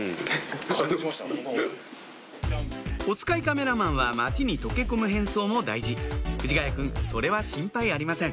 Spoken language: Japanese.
おつかいカメラマンは街に溶け込む変装も大事藤ヶ谷君それは心配ありません